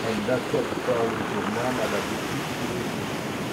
Elles n'achètent pas le journal à la boutique tous les jours